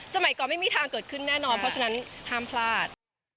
สมัยก่อนไม่มีทางเกิดขึ้นแน่นอนเพราะฉะนั้นห้ามพลาด